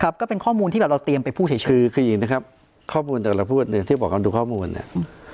ก็เป็นข้อมูลที่แบบเราเตรียมไปพูดเฉยคือคืออย่างนี้นะครับข้อมูลแต่ละพูดเนี่ยที่บอกกันดูข้อมูลเนี่ย